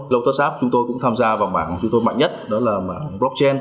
lotus app chúng tôi cũng tham gia vào mạng chúng tôi mạnh nhất đó là mạng blockchain